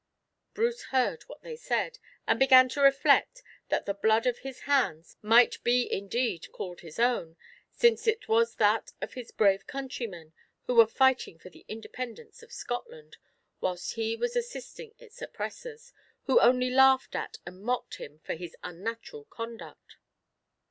Bruce heard what they said, and began to reflect that the blood upon his hands might be indeed called his own, since it was that of his brave countrymen who were fighting for the independence of Scotland, whilst he was assisting its oppressors, who only laughed at and mocked him for his unnatural conduct.